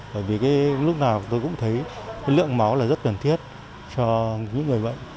bởi vì lúc nào tôi cũng thấy lượng máu là rất cần thiết cho những người bệnh